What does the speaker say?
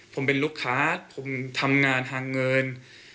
ผมเป็นลูกค้าผมทำงานทางเงิน